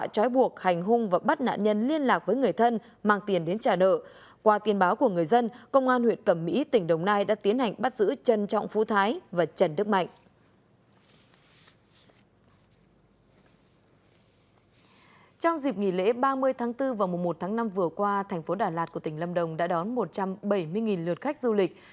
trong dịp nghỉ lễ ba mươi tháng bốn và một tháng năm vừa qua thành phố đà lạt của tỉnh lâm đồng đã đón một trăm bảy mươi lượt khách du lịch